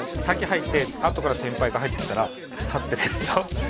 先入ってあとから先輩が入ってきたら立ってですよ